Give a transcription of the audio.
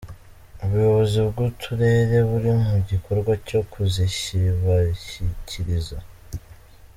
Ubuyobozi bw’Uturere buri mu gikorwa cyo kuzishyibashyikiriza.